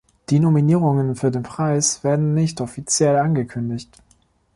Die Nominierungen für den Preis werden nicht offiziell angekündigt.